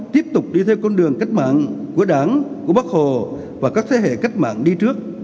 tiếp tục đi theo con đường cách mạng của đảng của bắc hồ và các thế hệ cách mạng đi trước